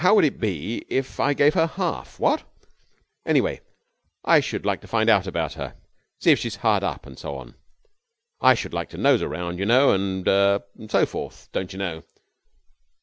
How would it be if I gave her half, what? Anyway, I should like to find out about her, see if she's hard up, and so on. I should like to nose round, you know, and er and so forth, don't you know.